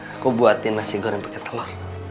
aku buatin nasi goreng pake telor